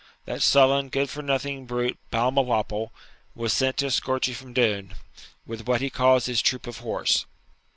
That sullen, good for nothing brute, Balmawhapple, was sent to escort you from Doune, with what he calls his troop of horse.